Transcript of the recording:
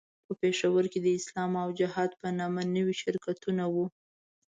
په پېښور کې د اسلام او جهاد په نامه نوي شرکتونه وو.